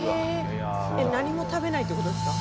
えっ何も食べないってことですか？